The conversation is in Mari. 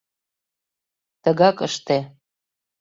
Тыгак ыште.